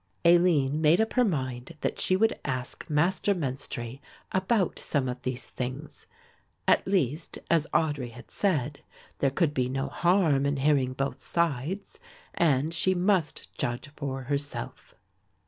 Aline made up her mind that she would ask Master Menstrie about some of these things; at least, as Audry had said, there could be no harm in hearing both sides and she must judge for herself.